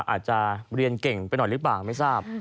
อาจจะเรียนเก่งไปหน่อยหรือเปล่าไม่ทราบ